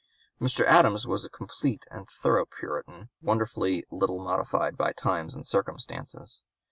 Mr. Adams was a complete and thorough Puritan, wonderfully little modified by times and circumstances.